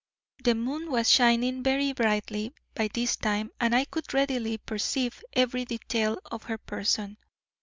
The moon was shining very brightly by this time and I could readily perceive every detail of her person.